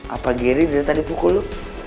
apa geri dia tadi pukul lo